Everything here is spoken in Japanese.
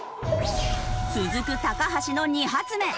続く橋の２発目。